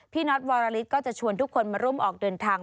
น็อตวรลิศก็จะชวนทุกคนมาร่วมออกเดินทาง